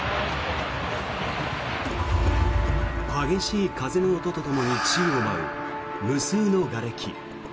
激しい風の音とともに宙を舞う無数のがれき。